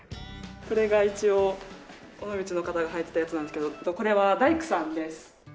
これが一応尾道の方がはいてたやつなんですけどこれは大工さんです。